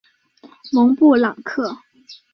蒙布朗克。